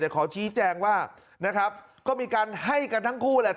ขอชี้แจงว่านะครับก็มีการให้กันทั้งคู่แหละ